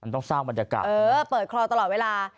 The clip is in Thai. ต้องเศร้าบรรยากาศนี่นะเออเปิดคลอตลอดเวลา